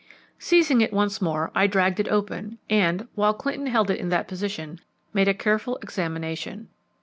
Seizing it once again, I dragged it open and, while Clinton held it in that position, made a careful examination.